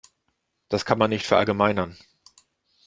Das kann man nicht verallgemeinern.